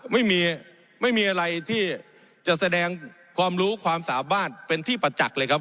ไม่มีไม่มีอะไรที่จะแสดงความรู้ความสามารถเป็นที่ประจักษ์เลยครับ